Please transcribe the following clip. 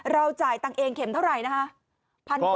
จ่ายตังค์เองเข็มเท่าไหร่นะคะ